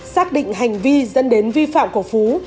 xác định hành vi dẫn đến vi phạm của phú